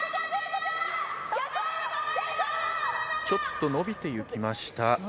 ちょっと伸びていきました。